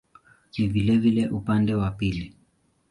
Ni vilevile upande wa pili.